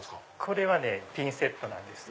これはピンセットなんです。